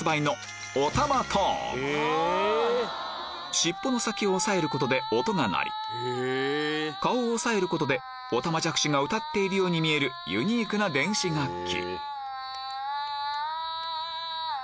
尻尾の先を押さえることで音が鳴り顔を押さえることでおたまじゃくしが歌っているように見えるユニークな電子楽器